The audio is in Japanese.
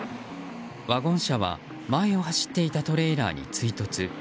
ワゴン車は前を走っていたトレーラーに追突。